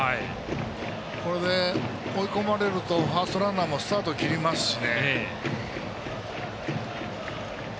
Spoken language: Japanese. これで追い込まれるとファーストランナーもスタート切りますから。